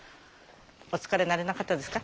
お疲れにならなかったですか？